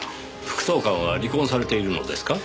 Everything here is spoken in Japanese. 副総監は離婚されているのですか？